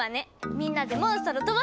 みんなでモンストロ飛ばすわよ！